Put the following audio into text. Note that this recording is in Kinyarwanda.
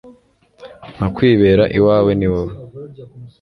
mpa kwibera iwawe, ni wowe